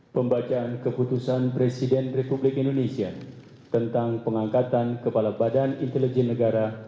pembacaan keputusan presiden republik indonesia tentang pengangkatan kepala badan intelijen negara